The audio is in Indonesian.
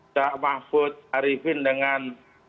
tak mahfud ariefin dengan